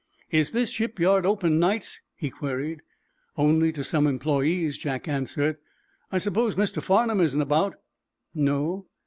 "Is this shipyard open nights?" he queried. "Only to some employees," Jack answered. "I suppose Mr. Farnum isn't about?" "No."